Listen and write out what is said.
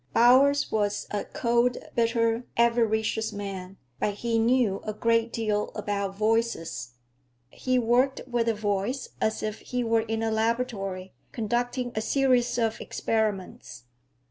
Bowers was a cold, bitter, avaricious man, but he knew a great deal about voices. He worked with a voice as if he were in a laboratory, conducting a series of experiments.